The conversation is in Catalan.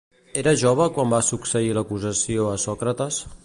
Era jove quan va succeir l'acusació a Sòcrates?